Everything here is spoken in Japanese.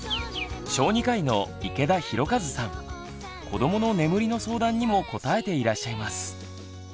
子どもの眠りの相談にも答えていらっしゃいます。